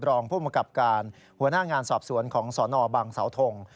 รองผู้มกับการหัวหน้างานสอบสวนของสนบังเสาทง